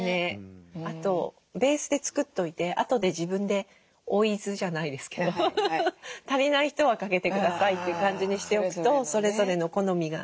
あとベースで作っといてあとで自分で追い酢じゃないですけど足りない人はかけてくださいっていう感じにしておくとそれぞれの好みが。